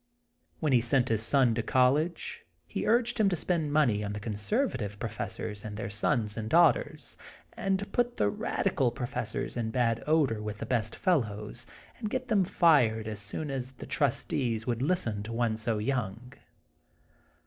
When he sent his son to college he urged him to spend money on the conservative professors and their sons and daughters, and to put the radical professors in bad odor with the best fellows, '* and get them fired as soon as the trustees would listen to one so young.